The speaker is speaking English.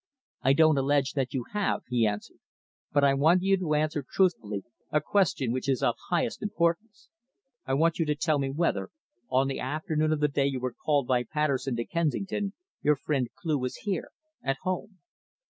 "I don't allege that you have," he answered. "But I want you to answer truthfully a question which is of highest importance. I want you to tell me whether, on the afternoon of the day you were called by Patterson to Kensington, your friend Cleugh was here, at home."